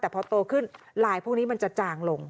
แต่พอโตขึ้นลายพวกนี้มันจะจางลง